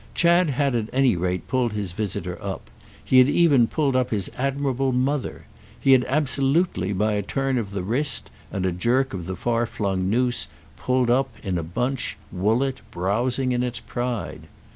Chad had at any rate pulled his visitor up; he had even pulled up his admirable mother; he had absolutely, by a turn of the wrist and a jerk of the far flung noose, pulled up, in a bunch, Woollett browsing in its pride.